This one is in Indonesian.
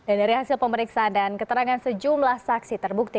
dan dari hasil pemeriksaan dan keterangan sejumlah saksi terbukti